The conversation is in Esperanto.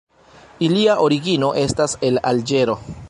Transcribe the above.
Ilia origino estas el Alĝero.